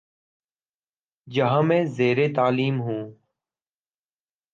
جہاں میں زیرتعلیم ہوں